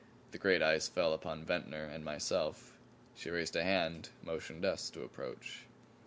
The great eyes fell upon Ventnor and myself. She raised a hand, motioned us to approach.